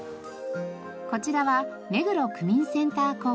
こちらは目黒区民センター公園。